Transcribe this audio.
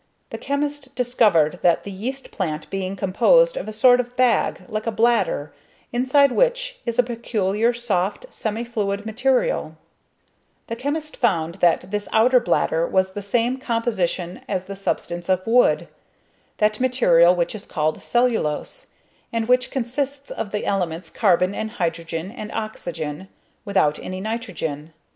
The chemist discovered that the yeast plant being composed of a sort of bag, like a bladder, inside which is a peculiar soft, semifluid material the chemist found that this outer bladder has the same composition as the substance of wood, that material which is called "cellulose," and which consists of the elements carbon and hydrogen and oxygen, without any nitrogen.